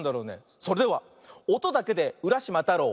それでは「おとだけでうらしまたろう」